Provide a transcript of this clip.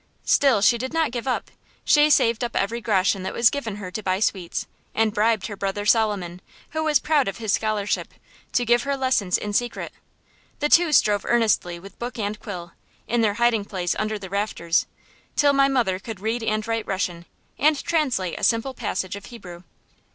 Still she did not give up. She saved up every groschen that was given her to buy sweets, and bribed her brother Solomon, who was proud of his scholarship, to give her lessons in secret. The two strove earnestly with book and quill, in their hiding place under the rafters, till my mother could read and write Russian, and translate a simple passage of Hebrew.